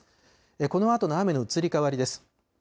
このあとの雨の移り変わりです。